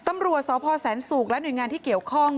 ตำรวจสพแสนสุกและหน่วยงานที่เกี่ยวข้อง